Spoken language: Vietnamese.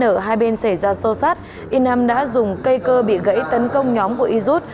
ở hai bên xảy ra sâu sát y năm đã dùng cây cơ bị gãy tấn công nhóm của y zut